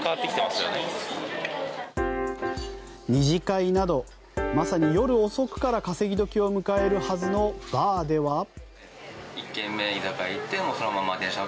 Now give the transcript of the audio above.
２次会などまさに夜遅くから稼ぎ時を迎えるはずのバーでは。